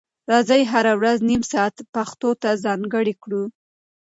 راځئ هره ورځ نیم ساعت پښتو ته ځانګړی کړو.